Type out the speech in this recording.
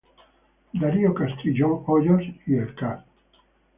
Darío Castrillón Hoyos y el Card.